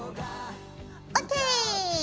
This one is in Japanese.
ＯＫ！